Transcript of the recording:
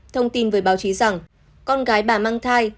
thông tin với báo chí rằng con gái bà mang thai